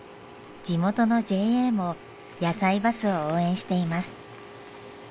地元のＪＡもやさいバスを応援しています。